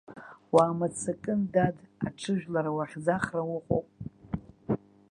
Уаамыццакын, дад, аҽыжәлара уахьӡахра уҟоуп.